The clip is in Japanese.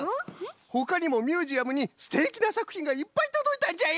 ほかにもミュージアムにすてきなさくひんがいっぱいとどいたんじゃよ！